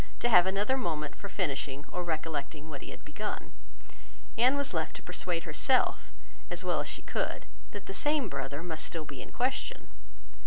to have another moment for finishing or recollecting what he had begun, Anne was left to persuade herself, as well as she could, that the same brother must still be in question.